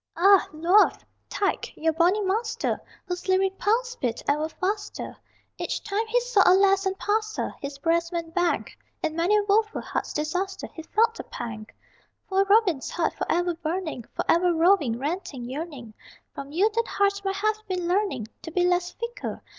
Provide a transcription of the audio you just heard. Ah, Luath, tyke, your bonny master Whose lyric pulse beat ever faster Each time he saw a lass and passed her His breast went bang! In many a woful heart's disaster He felt the pang! Poor Robin's heart, forever burning, Forever roving, ranting, yearning, From you that heart might have been learning To be less fickle!